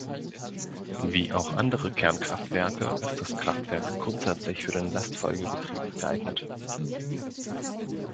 Wie auch andere Kernkraftwerke ist das Kraftwerk grundsätzlich für den Lastfolgebetrieb geeignet.